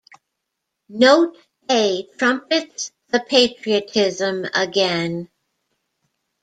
Note A trumpets the patriotism again.